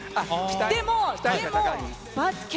でも、でも。